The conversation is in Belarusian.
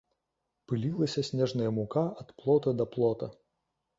Пылілася снежная мука ад плота да плота.